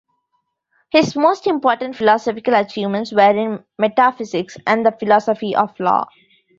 His most important philosophical achievements were in metaphysics and the philosophy of law.